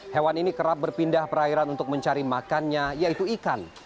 hewan ini kerap berpindah perairan untuk mencari makannya yaitu ikan